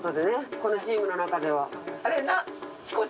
このチームのなかでは。